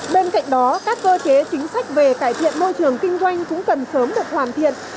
bên cạnh đó các cơ chế chính sách về cải thiện môi trường kinh doanh cũng cần sớm được hoàn thiện